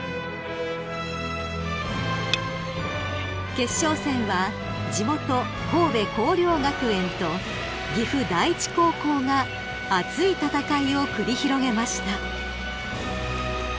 ［決勝戦は地元神戸弘陵学園と岐阜第一高校が熱い戦いを繰り広げました］